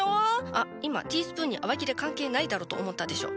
あっ今ティースプーンに洗剤いらねえだろと思ったでしょ。